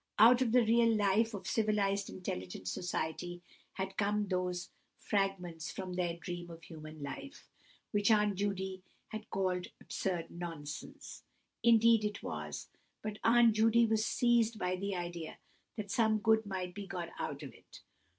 Out of the real life of civilized intelligent society had come those "Fragments from their dream of human life," which Aunt Judy had called absurd nonsense. And absurd nonsense, indeed, it was; but Aunt Judy was seized by the idea that some good might be got out of it.